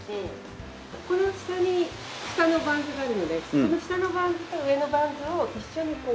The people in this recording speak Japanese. この下に下のバンズがあるのでその下のバンズと上のバンズを一緒にこう。